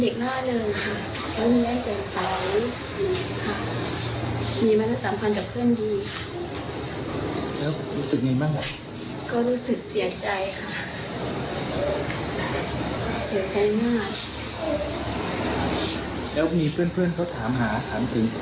คุณครูสนิทกับน้องมีข้อหาทานถึงคำอะไรหรือน้องมั้ยอ่านเด็กเขายังไม่รู้ค่ะ